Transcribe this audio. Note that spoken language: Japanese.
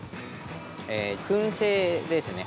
くん製ですね。